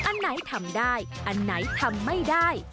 อันไหนทำได้อันไหนทำไม่ได้